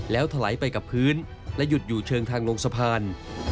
แล้วถลายไปกับพื้นและหยุดอยู่เชิงทางลงสะพาน